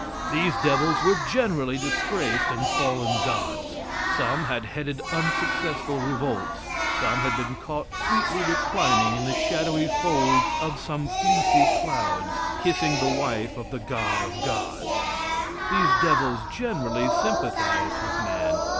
These devils were generally disgraced and fallen gods. Some had headed unsuccessful revolts; some had been caught sweetly reclining in the shadowy folds of some fleecy clouds, kissing the wife of the God of gods. These devils generally sympathized with man.